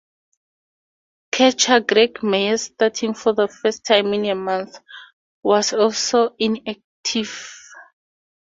Catcher Greg Meyers, starting for the first time in a month, was also ineffective.